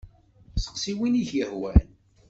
Seqsi win i k-yehwan!